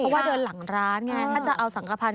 เพราะว่าเดินหลังร้านไงถ้าจะเอาสังขพันธ